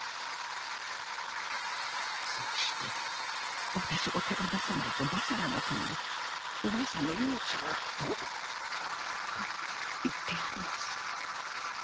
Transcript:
そうして私を手放さないと婆娑羅の神がお婆さんの命を取ると言ってやります。